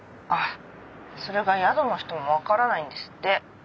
あっそれが宿の人も分からないんですって。